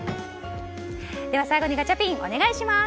最後にガチャピンお願いします。